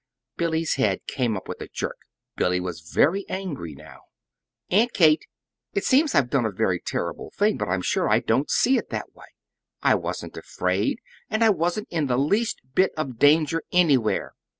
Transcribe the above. Billy's head came up with a jerk. Billy was very angry now. "Aunt Kate, it seems I've done a very terrible thing, but I'm sure I don't see it that way. I wasn't afraid, and I wasn't in the least bit of danger anywhere.